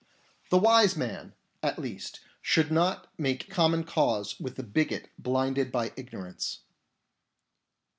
The wise man, at least, should not make common cause with the bigot blinded by ignorance.